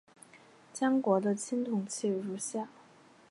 江国的青铜器如下。